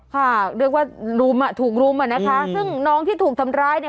ค่ะเรียกว่ารุมอ่ะถูกรุมอ่ะนะคะซึ่งน้องที่ถูกทำร้ายเนี่ย